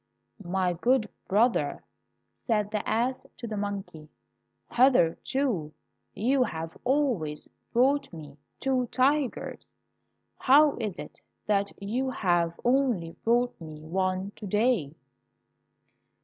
"My good brother," said the ass to the monkey, "hitherto you have always brought me two tigers, how is it that you have only brought me one to day?"